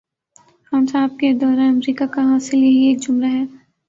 خان صاحب کے دورہ امریکہ کا حاصل یہی ایک جملہ ہے۔